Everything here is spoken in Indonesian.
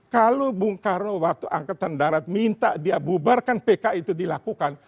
kalau bung karno waktu angkatan darat minta dia bubarkan pk itu dilakukan